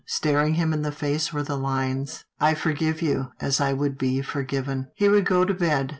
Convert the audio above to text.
Staring him in the face were the lines, " I forgive you, as I would be forgiven." He would go to bed.